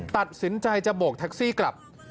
ตัดสินใจจะโบกแท็กซี่กลับ